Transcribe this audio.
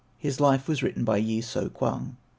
His life was written by Yi So kwang.